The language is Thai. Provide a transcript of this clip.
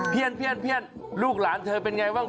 เพี้ยนลูกหลานเธอเป็นอย่างไรบ้าง